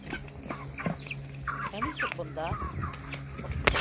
Ә нисек бында?